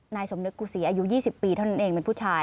นายสมนึกกุศีอายุ๒๐ปีเท่านั้นเองเป็นผู้ชาย